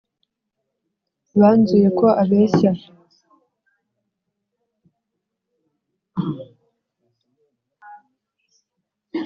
Banzuye ko abeshya